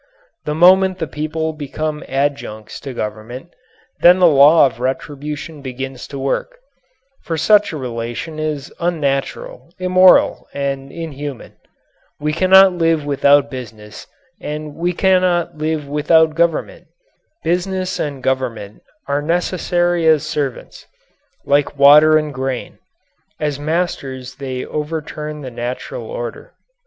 The moment the people become adjuncts to government, then the law of retribution begins to work, for such a relation is unnatural, immoral, and inhuman. We cannot live without business and we cannot live without government. Business and government are necessary as servants, like water and grain; as masters they overturn the natural order.